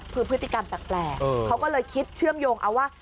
คือพฤติกรรมแปลกเขาก็เลยคิดเชื่อมโยงเอาว่า